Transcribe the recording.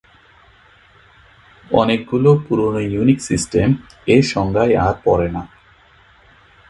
অনেকগুলো পুরোনো Unix system এ সংজ্ঞায় আর পড়ে না।